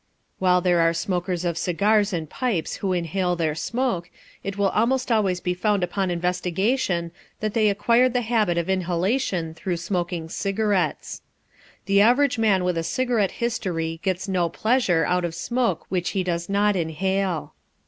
While there are smokers of cigars and pipes who inhale their smoke, it will almost always be found upon investigation that they acquired the habit of inhalation through smoking cigarettes. The average man with a cigarette history gets no pleasure out of smoke which he does not inhale.